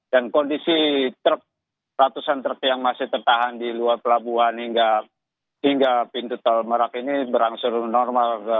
dan kondisi truk ratusan truk yang masih tertahan di luar pelabuhan hingga pintu tel merak ini berangsa normal